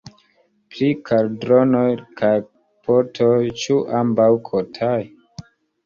Pri kaldronoj kaj potoj: ĉu ambaŭ kotaj?